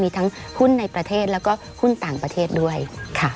มีทั้งหุ้นในประเทศแล้วก็หุ้นต่างประเทศด้วยค่ะ